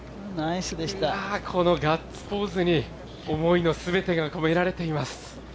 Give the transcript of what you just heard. ガッツポーズに思いの全てが込められています。